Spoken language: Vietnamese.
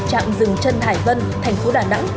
trạm rừng trân hải vân thành phố đà nẵng